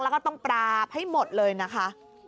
แล้วก็ต้องปราบให้หมดเลยนะคะ